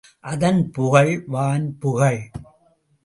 அதன் புகழ் வான்புகழ்.